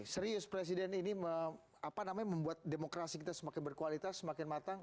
serius presiden ini membuat demokrasi kita semakin berkualitas semakin matang